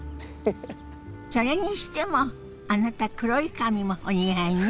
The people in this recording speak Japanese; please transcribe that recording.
それにしてもあなた黒い髪もお似合いね。